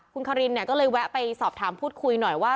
คุณคารินเนี่ยก็เลยแวะไปสอบถามพูดคุยหน่อยว่า